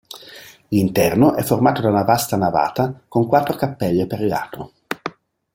L'interno è formato da una vasta navata con quattro cappelle per lato.